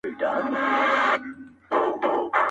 خدای ورکړي دوه زامن په یوه شپه وه.